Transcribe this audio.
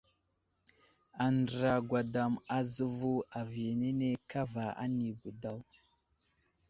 Andra gwadam azevo aviyenene kava anibo daw.